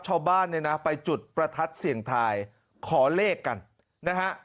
ชาวบ้านเนี่ยนะไปจุดประทัดเสี่ยงทายขอเลขกันนะฮะ